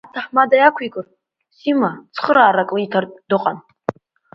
Аҭаҳмада иақәикыр, Сима цхыраарак лиҭартә дыҟан…